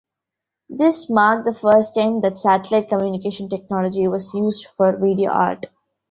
This marked the first time that satellite communication technology was used for video art.